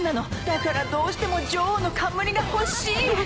だからどうしても女王の冠が欲しい！